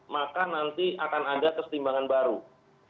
maka nanti akan ada kestimbangan baru